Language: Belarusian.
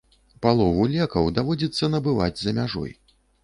Палову лекаў даводзіцца набываць за мяжой.